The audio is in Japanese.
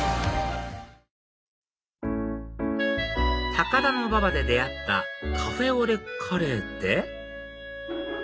高田馬場で出会ったカフェオレカレーって？